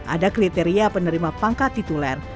ada kriteria penerima pangkat tituler